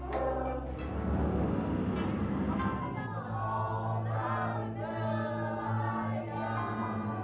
biar malam malam dia enggak salah kok